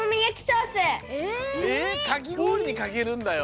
えかきごおりにかけるんだよ？